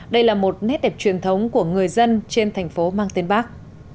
đây là một nét đẹp truyền thống của người dân trên thành phố mang tên bác